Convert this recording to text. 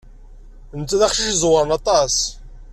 Netta d aqcic iẓewren aṭas.